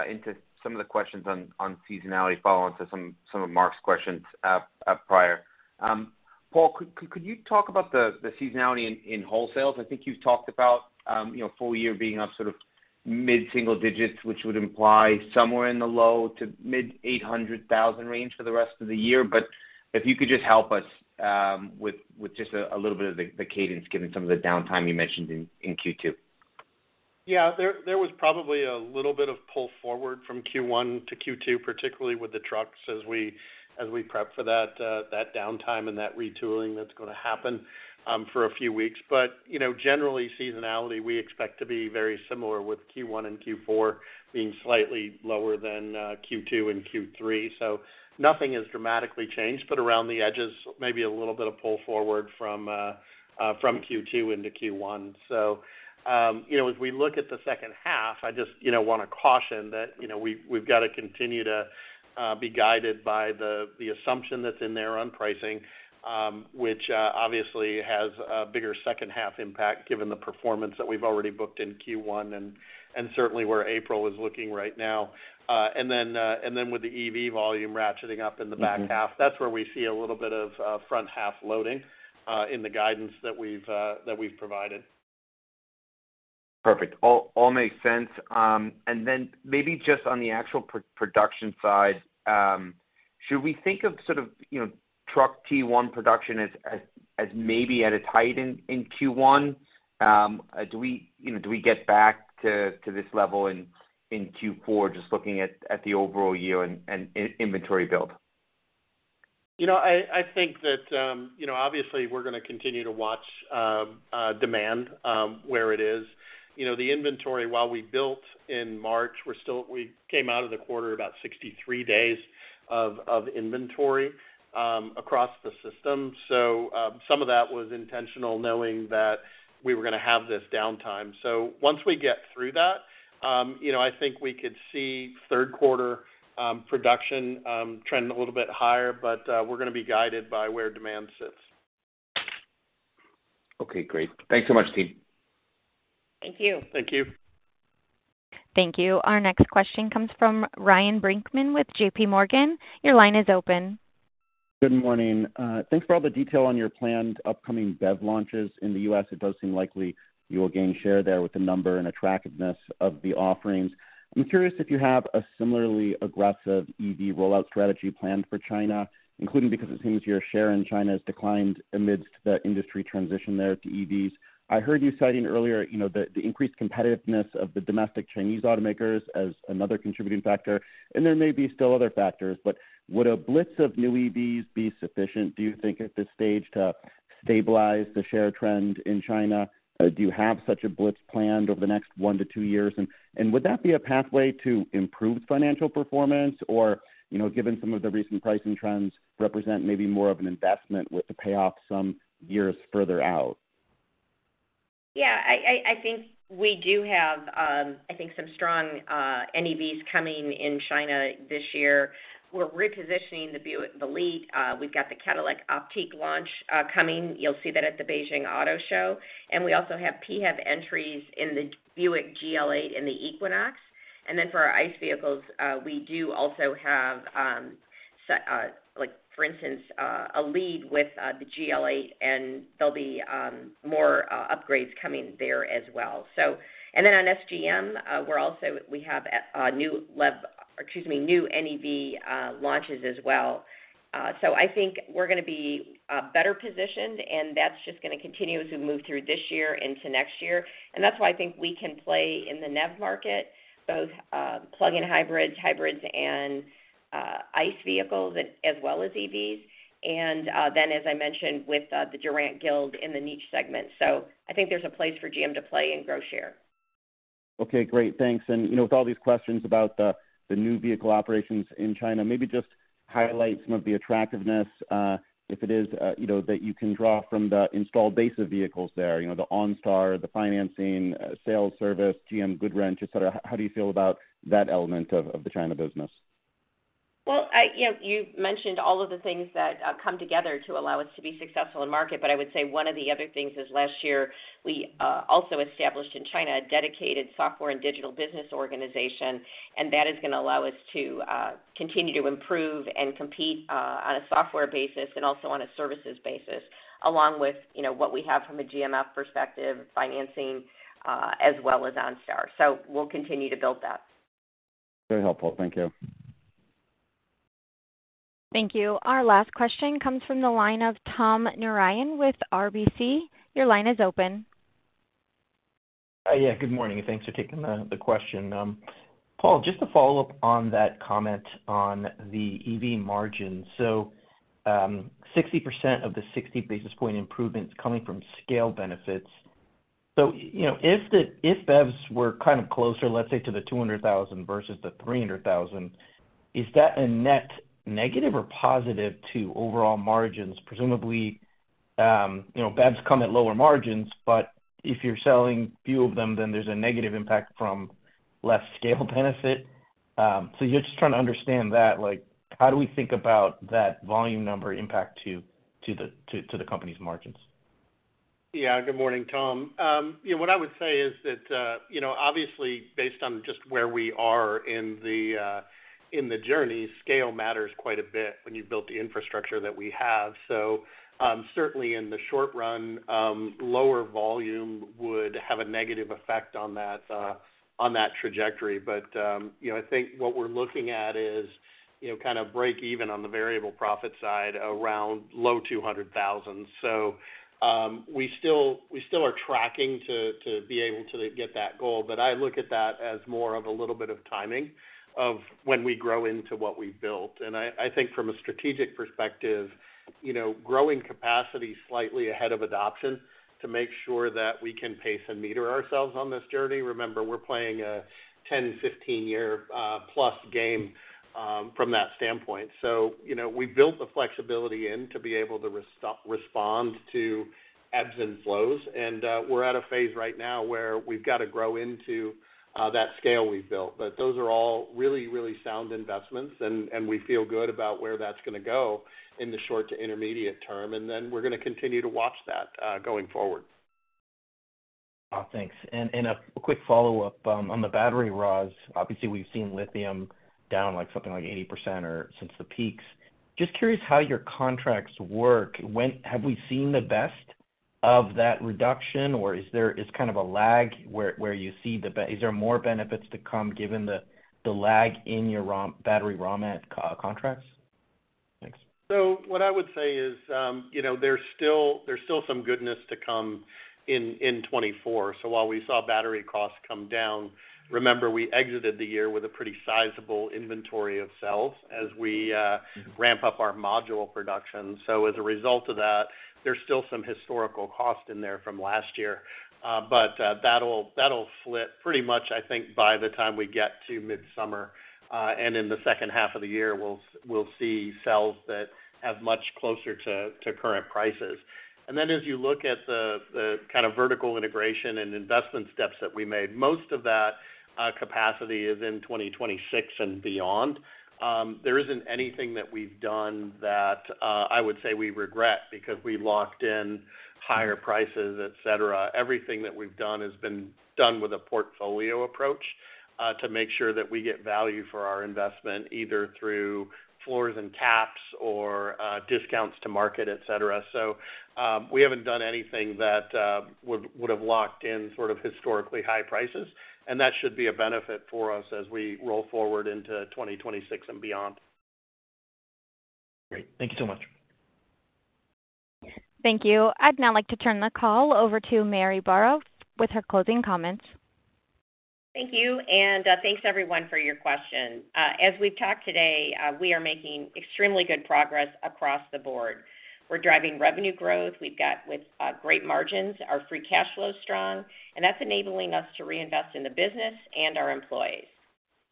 into some of the questions on seasonality, follow-on to some of Mark's questions prior. Paul, could you talk about the seasonality in wholesales? I think you've talked about, you know, full year being up sort of mid-single digits, which would imply somewhere in the low- to mid-800,000 range for the rest of the year. But if you could just help us with just a little bit of the cadence, given some of the downtime you mentioned in Q2. Yeah, there was probably a little bit of pull forward from Q1 to Q2, particularly with the trucks as we prep for that downtime and that retooling that's gonna happen for a few weeks. But, you know, generally, seasonality, we expect to be very similar, with Q1 and Q4 being slightly lower than Q2 and Q3. So nothing has dramatically changed, but around the edges, maybe a little bit of pull forward from Q2 into Q1. So, you know, as we look at the second half, I just, you know, wanna caution that, you know, we've got to continue to be guided by the assumption that's in there on pricing, which obviously has a bigger second half impact, given the performance that we've already booked in Q1, and certainly where April is looking right now. And then with the EV volume ratcheting up in the back half- That's where we see a little bit of front-half loading in the guidance that we've provided. Perfect. All makes sense. And then maybe just on the actual production side, should we think of sort of, you know, truck T1 production as maybe at a high end in Q1? Do we, you know, do we get back to this level in Q4, just looking at the overall year and inventory build? You know, I think that, you know, obviously we're gonna continue to watch, demand, where it is. You know, the inventory, while we built in March, we came out of the quarter about 63 days of inventory, across the system. So, some of that was intentional, knowing that we were gonna have this downtime. So once we get through that, you know, I think we could see third quarter production trending a little bit higher, but, we're gonna be guided by where demand sits. Okay, great. Thanks so much, team. Thank you. Thank you. Thank you. Our next question comes from Ryan Brinkman with JPMorgan. Your line is open. Good morning. Thanks for all the detail on your planned upcoming BEV launches in the U.S. It does seem likely you will gain share there with the number and attractiveness of the offerings. I'm curious if you have a similarly aggressive EV rollout strategy planned for China, including because it seems your share in China has declined amidst the industry transition there to EVs. I heard you citing earlier, you know, the increased competitiveness of the domestic Chinese automakers as another contributing factor, and there may be still other factors, but would a blitz of new EVs be sufficient, do you think, at this stage, to stabilize the share trend in China? Do you have such a blitz planned over the next 1-2 years? Would that be a pathway to improved financial performance, or, you know, given some of the recent pricing trends, represent maybe more of an investment with the payoff some years further out? Yeah, I think we do have I think some strong NEVs coming in China this year. We're repositioning the Buick Enclave. We've got the Cadillac Optiq launch coming. You'll see that at the Beijing Auto Show. And we also have PHEV entries in the Buick GL8 and the Equinox. And then for our ICE vehicles, we do also have, like, for instance, a lead with the GL8, and there'll be more upgrades coming there as well. So, and then on SGM, we're also we have a new or excuse me, new NEV launches as well. So I think we're gonna be better positioned, and that's just gonna continue as we move through this year into next year. That's why I think we can play in the NEV market, both plug-in hybrids, hybrids, and ICE vehicles, as well as EVs. Then, as I mentioned, with the Durant Guild in the niche segment. So I think there's a place for GM to play and grow share. Okay, great. Thanks. And, you know, with all these questions about the new vehicle operations in China, maybe highlight some of the attractiveness, if it is, you know, that you can draw from the installed base of vehicles there, you know, the OnStar, the financing, sales service, GM Goodwrench, et cetera. How do you feel about that element of the China business? Well, I, you know, you mentioned all of the things that come together to allow us to be successful in market, but I would say one of the other things is last year, we also established in China a dedicated software and digital business organization, and that is going to allow us to continue to improve and compete on a software basis and also on a services basis, along with, you know, what we have from a GMF perspective, financing, as well as OnStar. So we'll continue to build that. Very helpful. Thank you. Thank you. Our last question comes from the line of Tom Narayan with RBC. Your line is open. Yeah, good morning, and thanks for taking the question. Paul, just to follow up on that comment on the EV margins. So, 60% of the 60 basis point improvements coming from scale benefits, so, you know, if BEVs were kind of closer, let's say, to the 200,000 versus the 300,000, is that a net negative or positive to overall margins? Presumably, you know, BEVs come at lower margins, but if you're selling few of them, then there's a negative impact from less scale benefit. So you're just trying to understand that, like, how do we think about that volume number impact to the company's margins? Yeah. Good morning, Tom. Yeah, what I would say is that, you know, obviously, based on just where we are in the, in the journey, scale matters quite a bit when you've built the infrastructure that we have. So, certainly in the short run, lower volume would have a negative effect on that, on that trajectory. But, you know, I think what we're looking at is, you know, kind of break even on the variable profit side, around low 200,000. So, we still, we still are tracking to, to be able to get that goal, but I look at that as more of a little bit of timing of when we grow into what we've built. I think from a strategic perspective, you know, growing capacity slightly ahead of adoption to make sure that we can pace and meter ourselves on this journey. Remember, we're playing a 10, 15 year, plus game, from that standpoint. So, you know, we built the flexibility in to be able to respond to ebbs and flows, and, we're at a phase right now where we've got to grow into, that scale we've built. But those are all really, really sound investments, and, and we feel good about where that's going to go in the short to intermediate term, and then we're going to continue to watch that, going forward. Thanks. And a quick follow-up on the battery raws. Obviously, we've seen lithium down, like, something like 80% or so since the peaks. Just curious how your contracts work. When have we seen the best of that reduction, or is there kind of a lag where you see the benefits to come given the lag in your raw battery raw materials contracts? Thanks. So what I would say is, you know, there's still, there's still some goodness to come in, in 2024. So while we saw battery costs come down, remember, we exited the year with a pretty sizable inventory of cells as we ramp up our module production. So as a result of that, there's still some historical cost in there from last year. But that'll flip pretty much, I think, by the time we get to midsummer, and in the second half of the year, we'll see cells that have much closer to current prices. And then as you look at the kind of vertical integration and investment steps that we made, most of that capacity is in 2026 and beyond. There isn't anything that we've done that I would say we regret because we locked in higher prices, et cetera. Everything that we've done has been done with a portfolio approach to make sure that we get value for our investment, either through floors and caps or discounts to market, et cetera. So, we haven't done anything that would have locked in sort of historically high prices, and that should be a benefit for us as we roll forward into 2026 and beyond. Great. Thank you so much. Thank you. I'd now like to turn the call over to Mary Barra with her closing comments. Thank you, and, thanks, everyone, for your questions. As we've talked today, we are making extremely good progress across the board. We're driving revenue growth. We've got great margins, our free cash flow is strong, and that's enabling us to reinvest in the business and our employees.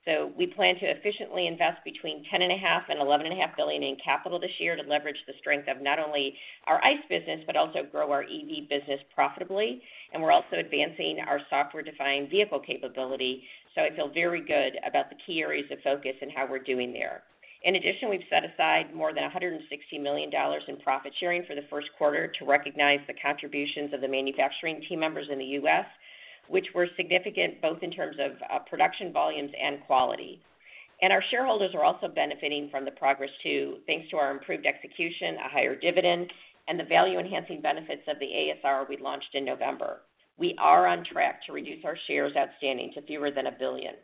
So we plan to efficiently invest between $10.5 billion and $11.5 billion in capital this year to leverage the strength of not only our ICE business, but also grow our EV business profitably, and we're also advancing our software-defined vehicle capability. So I feel very good about the key areas of focus and how we're doing there. In addition, we've set aside more than $160 million in profit sharing for the first quarter to recognize the contributions of the manufacturing team members in the U.S., which were significant both in terms of production, volumes, and quality. Our shareholders are also benefiting from the progress, too, thanks to our improved execution, a higher dividend, and the value-enhancing benefits of the ASR we launched in November. We are on track to reduce our shares outstanding to fewer than 1 billion.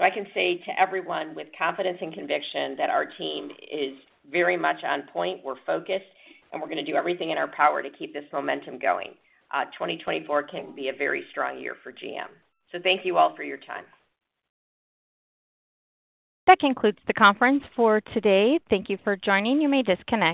I can say to everyone with confidence and conviction that our team is very much on point, we're focused, and we're going to do everything in our power to keep this momentum going. 2024 can be a very strong year for GM. Thank you all for your time. That concludes the conference for today. Thank you for joining. You may disconnect.